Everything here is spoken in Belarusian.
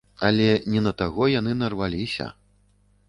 Але не на таго яны нарваліся.